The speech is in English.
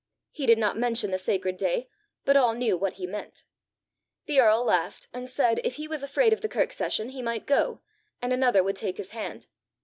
He did not mention the sacred day, but all knew what he meant. The earl laughed, and said, if he was afraid of the kirk session, he might go, and another would take his hand.